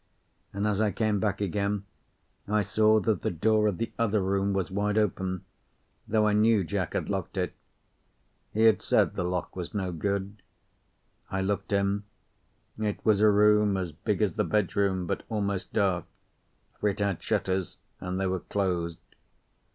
And as I came back again I saw that the door of the other room was wide open, though I knew Jack had locked it. He had said the lock was no good. I looked in. It was a room as big as the bedroom, but almost dark, for it had shutters, and they were closed.